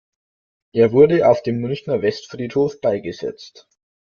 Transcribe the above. Er wurde auf dem Münchner Westfriedhof beigesetzt.